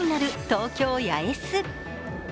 東京八重洲。